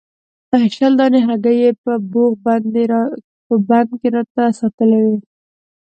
شل دانې هګۍ یې په بوغ بند کې راته ساتلې وې.